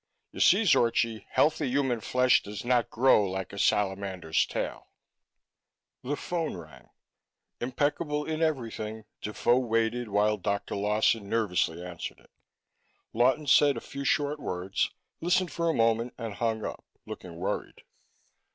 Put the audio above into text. "You see, Zorchi, healthy human flesh does not grow like a salamander's tail." The phone rang; impeccable in everything, Defoe waited while Dr. Lawton nervously answered it. Lawton said a few short words, listened for a moment and hung up, looking worried.